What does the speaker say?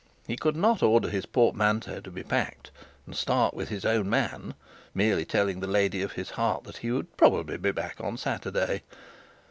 He could not order his portmanteau to be packed, and start with his own man, merely telling the lady of his heart that he would probably be back on Saturday.